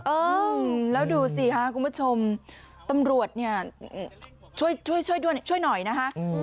เออแล้วดูสิค่ะคุณผู้ชมตำรวจเนี่ยช่วยช่วยด้วยช่วยหน่อยนะคะ